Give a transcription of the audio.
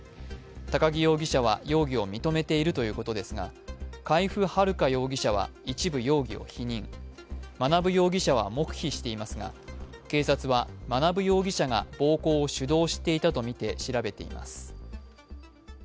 高木容疑者は容疑を認めているということですが海部春香容疑者は一部容疑を否認、学容疑者は黙秘していますが警察は学容疑者が暴行を主導していたとみて調べています。